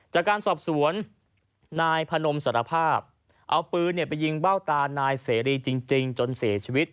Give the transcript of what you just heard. จากการสอบสวนนายพนมสารภาพเอาปืนไปยิงเบ้าตานายเสรีจริงจนเสียชีวิต